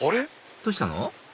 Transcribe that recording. どうしたの？